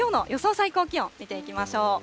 最高気温、見ていきましょう。